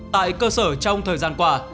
tại cơ sở trong thời gian qua